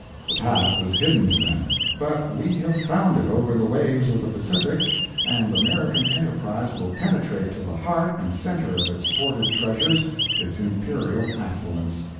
The path was hidden to them, but we have found it over the waves of the Pacific, and American enterprise will penetrate to the heart and center of its hoarded treasures, its imperial affluence.